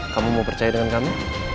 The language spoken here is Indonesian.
kamu mau percaya dengan kami